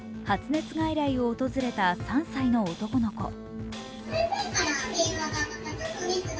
発熱外来を訪れた３歳の男の子。